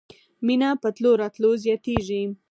مینه په تلو راتلو زیاتیږي